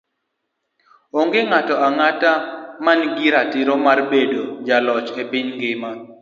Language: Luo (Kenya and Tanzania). Onge ng'ato ang'ata ma nigi ratiro mar bedo jaloch e piny ngima.